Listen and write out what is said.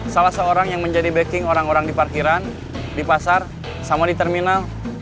salah seorang yang menjadi backing orang orang di parkiran di pasar sama di terminal